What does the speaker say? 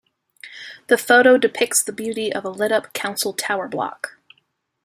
The photo depicts the beauty of a lit up council tower block.